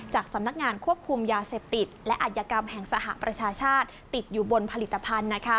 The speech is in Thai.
สำนักงานควบคุมยาเสพติดและอัธยกรรมแห่งสหประชาชาติติดอยู่บนผลิตภัณฑ์